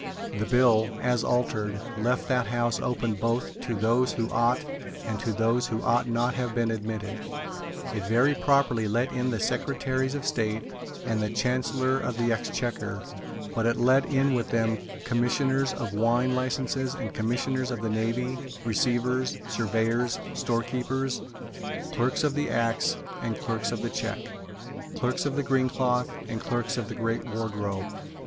The bill, as altered, left that House open both to those who ought and to those who ought not to have been admitted. It very properly let in the Secretaries of State and the Chancellor of the Exchequer; but it let in with them Commissioners of Wine Licenses and Commissioners of the Navy, Receivers, Surveyors, Storekeepers, Clerks of the Acts and Clerks of the Cheque, Clerks of the Green Cloth and Clerks of the Great Wardrobe.